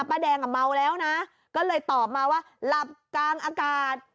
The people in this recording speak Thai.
ป้าแดงอ่ะเมาแล้วนะก็เลยตอบมาว่าหลับกลางอากาศ